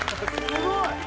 すごい！